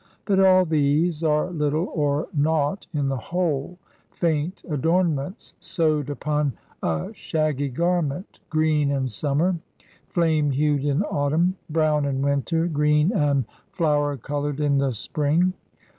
But all these are little or naught in the whole, faint adornments sewed upon a shaggy garment, green in summer, flame hued in autumn, brown in winter, green and flower colored in the spring.